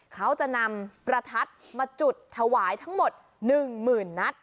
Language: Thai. เขาจะนำประทัดมาจุดถวายทั้งหมด๑หมื่นนัด